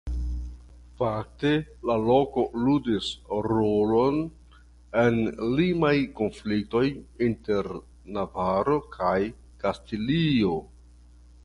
Fakte la loko ludis rolon en limaj konfliktoj inter Navaro kaj Kastilio.